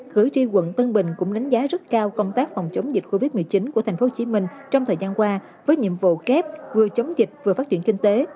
cử tri quận tân bình cũng đánh giá rất cao công tác phòng chống dịch covid một mươi chín của tp hcm trong thời gian qua với nhiệm vụ kép vừa chống dịch vừa phát triển kinh tế